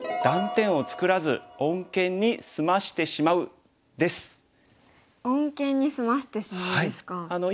「穏健にすましてしまう」ですか。